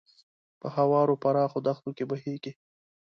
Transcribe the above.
په هوارو پراخو دښتو کې بهیږي.